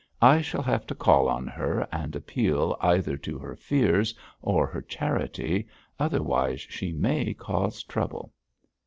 'I shall have to call on her, and appeal either to her fears or her charity, otherwise she may cause trouble.'